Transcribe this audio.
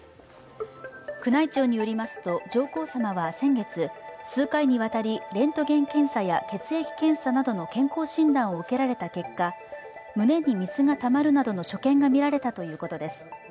宮内庁によりますと上皇さまは先月レントゲン検査や血液検査などの健康診断を受けられた結果、胸に水がたまるなどの所見がみられたということです。